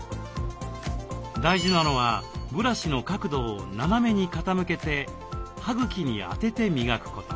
大事なのはブラシの角度を斜めに傾けて歯茎に当てて磨くこと。